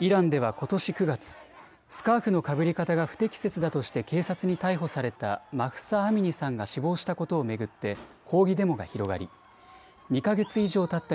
イランではことし９月、スカーフのかぶり方が不適切だとして警察に逮捕されたマフサ・アミニさんが死亡したことを巡って抗議デモが広がり、２か月以上たった